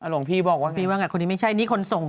อล่องพี่บอกว่าพี่ว่างัดคนนี้ไม่ใช่อันนี้คนส่ง